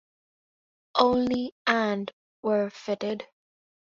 Only and were fitted.